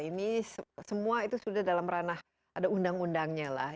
ini semua itu sudah dalam ranah ada undang undangnya lah